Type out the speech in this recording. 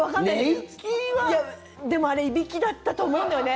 いや、でもあれいびきだったと思うんだよね。